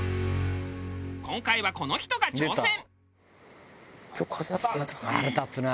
今回はこの人が挑戦。